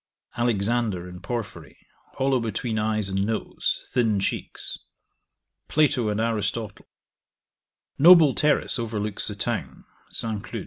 Alexander, in Porphyry: hollow between eyes and nose, thin cheeks. Plato and Aristotle Noble terrace overlooks the town. St. Cloud.